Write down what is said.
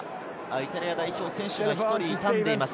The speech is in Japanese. イタリア代表選手が１人、痛んでいます。